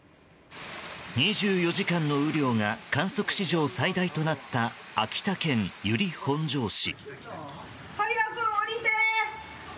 ２４時間の雨量が観測史上最大となった秋田県由利本荘市。